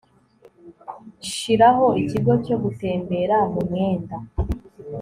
shiraho ikigo cyo gutembera mu mwenda